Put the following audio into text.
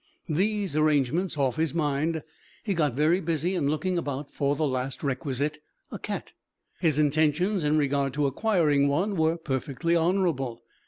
These arrangements off his mind, he got very busy in looking about for the last requisite, a cat. His intentions in regard to acquiring one were perfectly honorable.